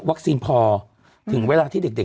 วัคซีนพอถึงเวลาที่เด็ก